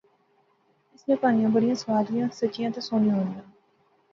اس نیاں کہانیاں بڑیاں سوادلیاں، سچیاں تہ سوہنیاں ہونیاں